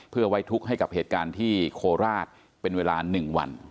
เพื่อไว้ทุกข์ให้กับเหตุการณ์ที่โคราชเป็นเวลา๑วัน